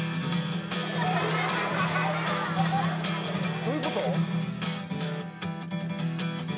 どういうこと？